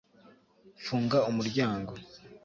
funga umuryango